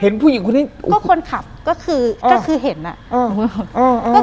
ผู้หญิงคนนี้ก็คนขับก็คือก็คือเห็นอ่ะเออ